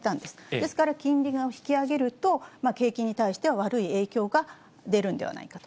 ですから金利を引き上げると、景気に対しては悪い影響が出るんではないかと。